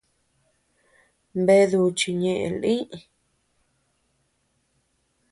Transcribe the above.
Bea duchi ñeʼe lï.